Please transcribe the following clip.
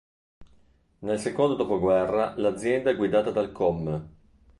Nel secondo dopoguerra l'azienda è guidata dal Comm.